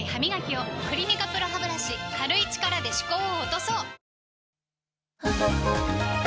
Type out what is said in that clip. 「クリニカＰＲＯハブラシ」軽い力で歯垢を落とそう！